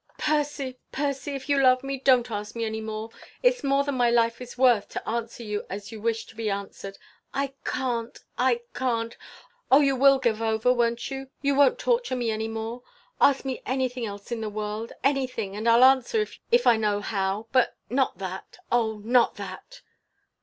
"Percy! Percy! If you love me, don't ask me any more! It's more than my life is worth to answer you as you wish to be answered. I can't! I can't! Oh! you will give over, won't you? You won't torture me any more? Ask me anything else in the world anything and I'll answer, if I know how; but not that Oh! not that!"